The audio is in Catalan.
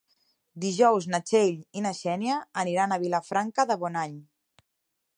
Dijous na Txell i na Xènia aniran a Vilafranca de Bonany.